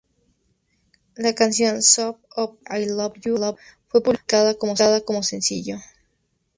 La canción "Shut Up Baby, I Love You" fue publicada como sencillo.